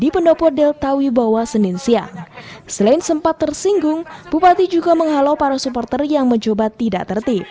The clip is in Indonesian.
bupati sidoarjo saifulillah